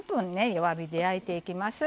弱火で焼いていきます。